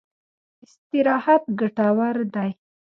استراحت ګټور دی.